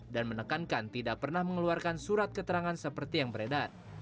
dan menekankan tidak pernah mengeluarkan surat keterangan seperti yang beredar